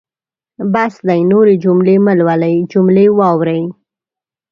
بس دی نورې جملې مهلولئ جملې واورئ.